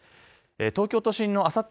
東京都心のあさって